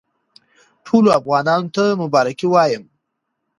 ټولو افغانانو ته مبارکي وایم.